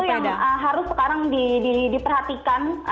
itu yang harus sekarang diperhatikan